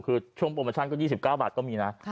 คือช่วงโปรโมชั่นก็๒๙บาทก็มีนะ